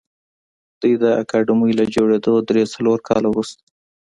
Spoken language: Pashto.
دوی د اکاډمۍ له جوړېدو درې څلور کاله وروسته